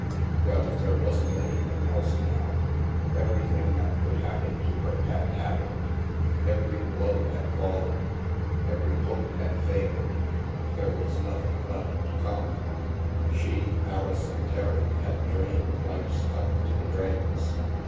Well, there wasn't anything else now. Every thing that could happen to her had happened. Every blow had fallen. Every hope had failed. There was nothing left to come. She, Alison Terry, had drained life's cup to the dregs.